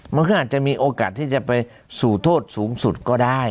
มันก็อาจจะมีโอกาสที่จะไปสู่โทษสูงสุดก็ได้